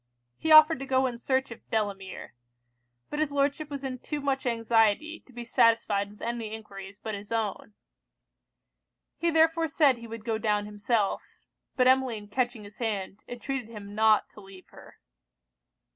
He offered to go in search of Delamere; but his Lordship was in too much anxiety to be satisfied with any enquiries but his own. He therefore said he would go down himself; but Emmeline catching his hand, entreated him not to leave her.